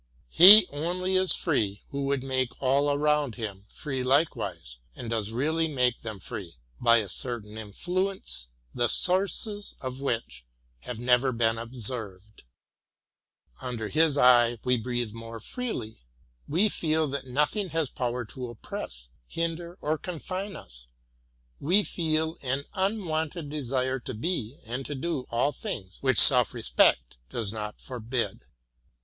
He only is free, who would make all around him free likewise, and does really make them free, by a certain influence the sources of which have never been observed. Under his eye we breathe more 34 UKTTORI u. freely, we fool that nothing lias power to oppress, hinder or confine as; we fool an unwonted desire to be and to do all things which soli respect Joes not forbid.